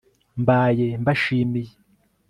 mbaye mbashimiye